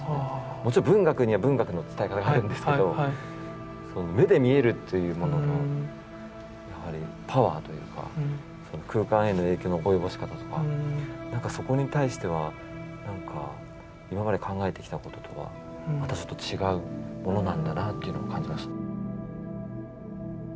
もちろん文学には文学の伝え方があるんですけど目で見えるというもののやはりパワーというか空間への影響の及ぼし方とかそこに対しては今まで考えてきたこととはまたちょっと違うものなんだなというのを感じました。